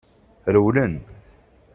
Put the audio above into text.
Rewlen.